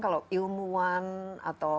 kalau ilmuwan atau